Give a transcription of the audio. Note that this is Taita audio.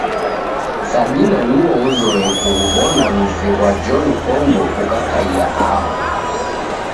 Sabina nuo uzoe kughuw'ona muzi ghwa John Kombo ukakaia aho.